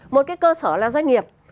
một cái cơ sở là doanh nghiệp